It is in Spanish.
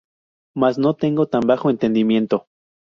Mas no tengo tan bajo entendimiento.